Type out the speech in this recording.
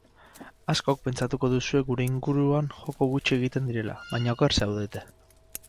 Askok pentsatuko duzue gure inguruan joko gutxi egiten direla, baina oker zaudete.